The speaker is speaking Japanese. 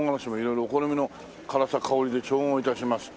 「お好みの辛さ香りで調合いたします」